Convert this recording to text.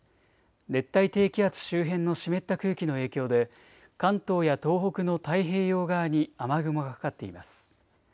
熱帯低気圧周辺の湿った空気の影響で関東や東北の太平洋側に雨雲がかかっています。